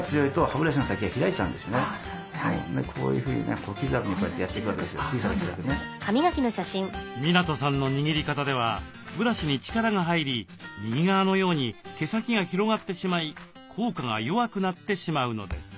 できればこうやって港さんの握り方ではブラシに力が入り右側のように毛先が広がってしまい効果が弱くなってしまうのです。